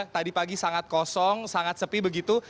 tadi pagi sangat kosong sangat sepi begitu